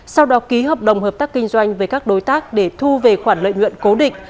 sau đó ký hợp đồng hợp tác kinh doanh với các đối tác để thu về khoản lợi nhuận cố định